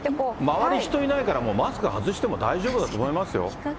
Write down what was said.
周り、人いないから、もうマスク外しても大丈夫だと思いますよ。